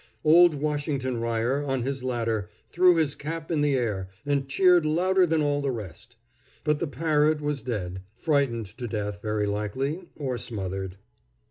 Old Washington Ryer, on his ladder, threw his cap in the air, and cheered louder than all the rest. But the parrot was dead frightened to death, very likely, or smothered.